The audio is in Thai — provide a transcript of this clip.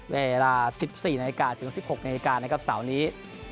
เวลา๑๔นถึง๑๖นนะครับเสาร์นี้